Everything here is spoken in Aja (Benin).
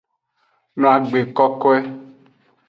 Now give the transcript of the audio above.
No agbe kokoe.